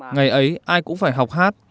ngày ấy ai cũng phải học hát